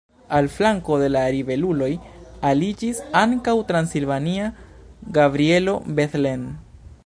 Al flanko de la ribeluloj aliĝis ankaŭ transilvania Gabrielo Bethlen.